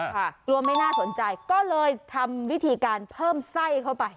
กลัวไม่น่าสนใจก็เลยทำวิธีการเพิ่มไส้เข้าไป